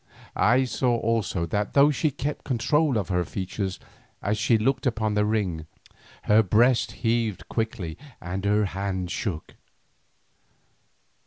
I saw also that though she kept control of her features as she looked upon the ring, her breast heaved quickly and her hand shook.